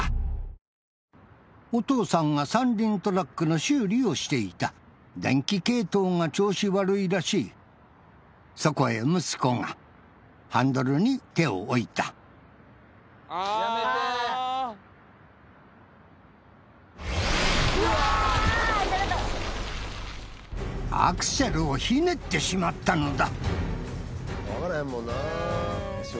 お父さんが三輪トラックの修理をしていた電気系統が調子悪いらしいそこへ息子がハンドルに手を置いたアクセルをひねってしまったのだ